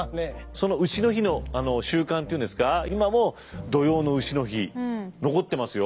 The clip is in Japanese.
その丑の日の習慣っていうんですか今も土用の丑の日残ってますよ。